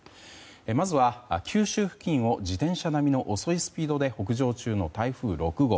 まずは九州付近を自転車並みの遅いスピードで北上中の台風６号。